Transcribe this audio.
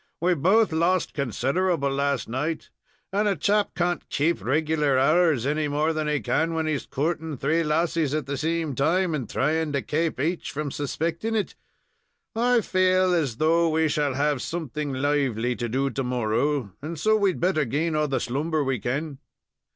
"We both lost considerable last night, and a chap can't kaap reg'lar hours any more than he can when he's coorting three lassies at the same time, and thrying to kaap aich from suspecting it. I faal as though we shall have something lively to do to morrow, and so we'd better gain all the slumber we kin."